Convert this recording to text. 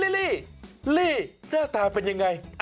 ลี่ลี่หน้าตาเป็นยังไง